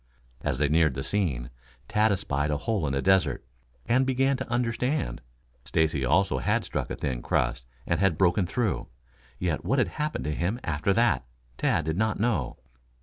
As they neared the scene Tad espied a hole in the desert, and began to understand. Stacy also had struck a thin crust and had broken through. Yet what had happened to him after that, Tad did not know.